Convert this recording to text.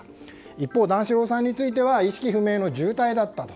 一方、段四郎さんについては意識不明の重体だったと。